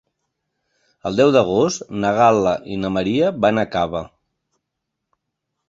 El deu d'agost na Gal·la i na Maria van a Cava.